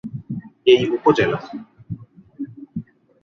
এই উপজেলা।